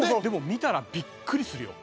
見たらびっくりするよ